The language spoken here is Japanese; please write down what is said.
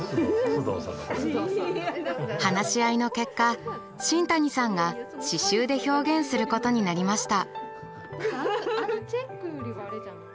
話し合いの結果新谷さんが刺しゅうで表現することになりました。